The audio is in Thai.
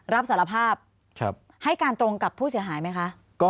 รับสารภาพให้การตรงกับผู้เสียหายไหมคะ